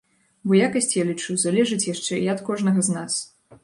Бо якасць, я лічу, залежыць яшчэ і ад кожнага з нас.